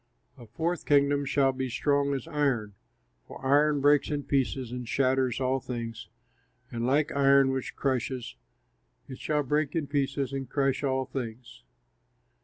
A fourth kingdom shall be strong as iron, for iron breaks in pieces and shatters all things, and like iron which crushes, it shall break in pieces and crush all things.